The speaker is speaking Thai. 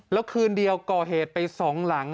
แล้วคืนเดียวก่อเหตุไปสองหลัง